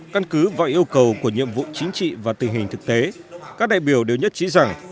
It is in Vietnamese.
căn cứ vào yêu cầu của nhiệm vụ chính trị và tình hình thực tế các đại biểu đều nhất trí rằng